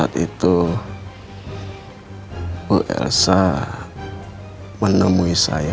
saat itu bu elsa menemui saya